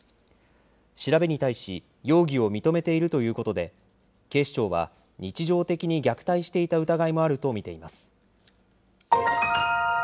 調べに対し、容疑を認めているということで、警視庁は、日常的に虐待していた疑いもあると見ています。